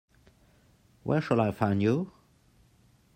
Where shall I find you?